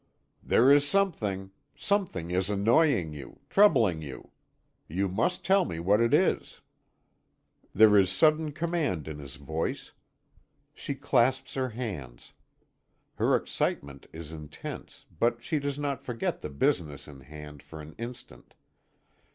"There is something. Something is annoying you troubling you. You must tell me what it is." There is sudden command in his voice. She clasps her hands. Her excitement is intense, but she does not forget the business in hand for an instant.